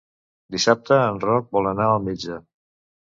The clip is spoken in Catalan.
Dissabte en Roc vol anar al metge.